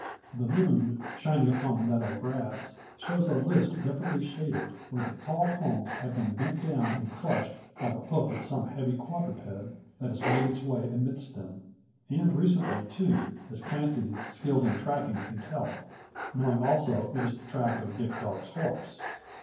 The moon, shining upon the meadow grass, shows a list differently shaded; where the tall culms have been bent down and crushed by the hoof of some heavy quadruped, that has made its way amidst them. And recently too, as Clancy, skilled in tracking, can tell; knowing, also, it is the track of Dick Darke's horse.